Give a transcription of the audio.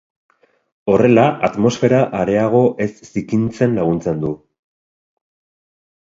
Horrela, atmosfera areago ez zikintzen laguntzen du.